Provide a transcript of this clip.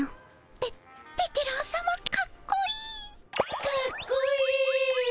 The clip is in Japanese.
べベテランさまかっこいい！かっこいい！